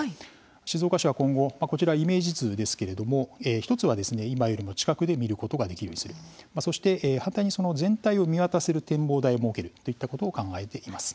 静岡市は今後、こちらイメージ図ですけれども１つは今よりも近くで見ることができるようにするそして反対に全体を見渡せる展望台を設けるといったことを考えています。